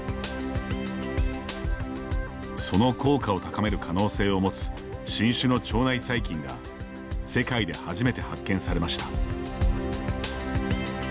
その効果を高める可能性を持つ新種の腸内細菌が世界で初めて発見されました。